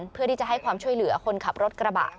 เพื่อที่จะให้ความช่วยเหลือคนขับรถกระบะ